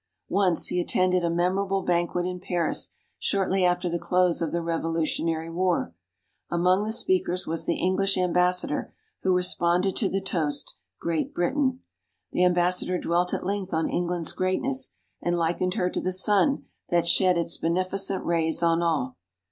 Once, he attended a memorable banquet in Paris shortly after the close of the Revolutionary War. Among the speakers was the English Ambassador, who responded to the toast, "Great Britain." The Ambassador dwelt at length on England's greatness, and likened her to the sun that sheds its beneficent rays on all.